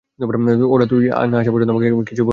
ওরা তুই না আসা পর্যন্ত আমাকে কিছুই বলবে না বলল!